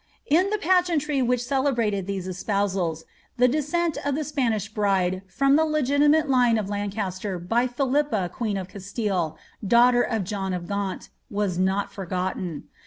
In the pageantry which celebrated these espousals, the descent of the Spanish bride from the legitimate line of Lancaster by Philippe queen cl dstilie, daughter of John of Gaunt, was not forgotten.